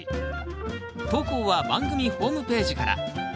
投稿は番組ホームページから。